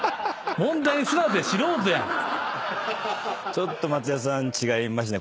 ちょっと松也さん違いますね。